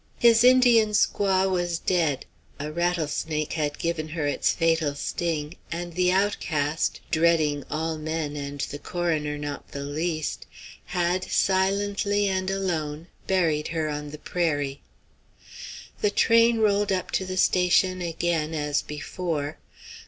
His Indian squaw was dead. A rattlesnake had given her its fatal sting, and the outcast, dreading all men and the coroner not the least, had, silently and alone, buried her on the prairie. The train rolled up to the station again as before.